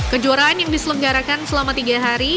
kejuaraan yang diselenggarakan selama tiga hari